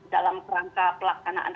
dalam rangka pelaksanaan